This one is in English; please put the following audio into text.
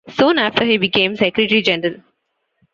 Soon after, he became Secretary General.